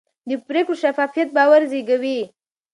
د پرېکړو شفافیت باور زېږوي